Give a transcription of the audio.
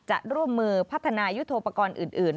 จะร่วมมือพัฒนายุทธโปรกรณ์อื่น